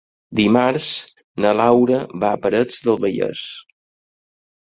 Dimarts na Laura va a Parets del Vallès.